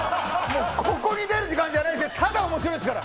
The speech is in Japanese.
ここに出る時間じゃないですから。